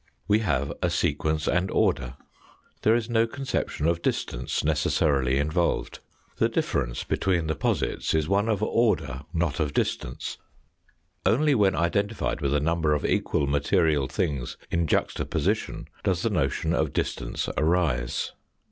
We have a sequence and order. There is no con ception of distance necessarily involved. The difference THK FIRST CHAPTER IN THK HISTORY OF FOUR SPACE 29 between the posits is one of order not of distance only when identified with a number of equal material things in juxtaposition does the notion of distance arise.